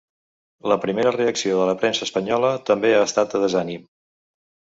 La primera reacció de la premsa espanyola també ha estat de desànim.